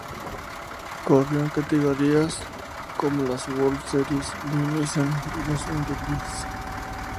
Corrió en categorías como las World Series by Nissan y las Indy Lights.